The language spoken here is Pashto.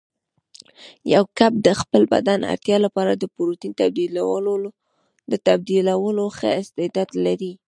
یو کب د خپل بدن اړتیا لپاره د پروتین تبدیلولو ښه استعداد لري.